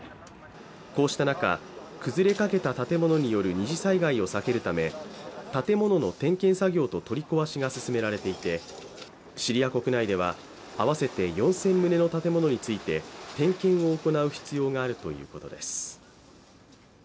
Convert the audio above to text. こうした中、崩れかけた建物による二次災害を避けるため、建物の点検作業と取り壊しが進められていて、シリア国内では合わせて４０００棟の建物について点検を行う必要があるということです。